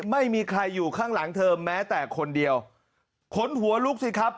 ไม่มีใครอยู่ข้างหลังเธอแม้แต่คนเดียวขนหัวลุกสิครับ